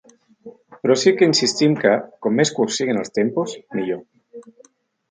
Però sí que insistim que, com més curts siguin els tempos, millor.